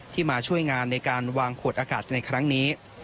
มาช่วยงานในการวางขวดอากาศในครั้งนี้